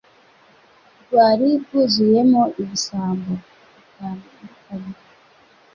Rwari rwuzuyemo ibisambo bitandukanye